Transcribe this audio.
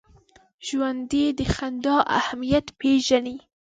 ژوندي د خندا اهمیت پېژني